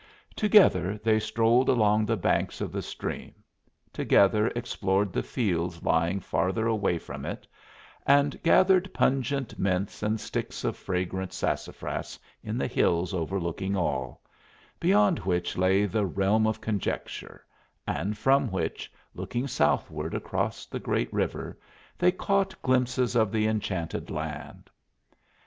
Together they strolled along the banks of the stream; together explored the fields lying farther away from it, and gathered pungent mints and sticks of fragrant sassafras in the hills overlooking all beyond which lay the Realm of Conjecture, and from which, looking southward across the great river, they caught glimpses of the Enchanted Land.